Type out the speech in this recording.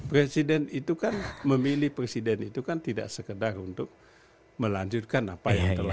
presiden itu kan memilih presiden itu kan tidak sekedar untuk melanjutkan apa yang telah